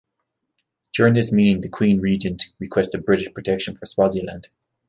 During this meeting the Queen Regent requested British protection for Swaziland.